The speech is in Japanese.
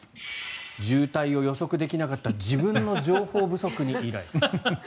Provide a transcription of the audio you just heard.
渋滞を予測できなかった自分の情報不足にイライラ。